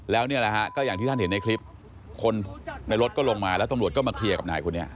แล้วนี่แหละฮะก็อย่างที่ท่านเห็นในคลิปคนในรถก็ลงมาแล้วตำรวจก็มาเคลียร์กับนายคนนี้